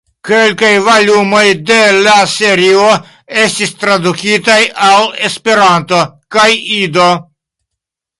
Kelkaj volumoj de la serio estis tradukitaj al Esperanto kaj Ido.